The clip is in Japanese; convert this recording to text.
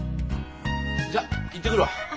じゃあ行ってくるわ！